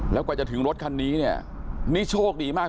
แล้วกว่าจะถึงรถคันนี้เนี่ยนี่โชคดีมาก